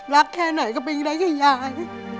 รักแค่ไหนก็เป็นอย่างไรก็ยาย